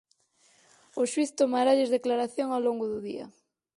O xuíz tomaralles declaración ao longo do día.